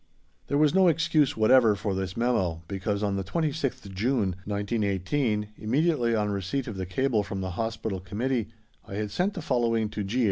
There was no excuse whatever for this memo., because on the 26th June, 1918, immediately on receipt of the cable from the Hospital Committee, I had sent the following to G.